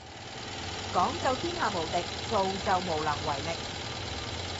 講就天下無敵，做就無能為力